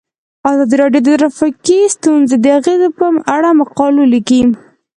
ازادي راډیو د ټرافیکي ستونزې د اغیزو په اړه مقالو لیکلي.